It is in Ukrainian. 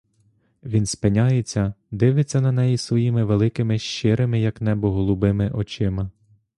Він спиняється, дивиться на неї своїми великими щирими, як небо голубими очима.